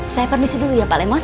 saya permisi dulu ya pak lemos